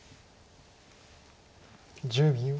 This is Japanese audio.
１０秒。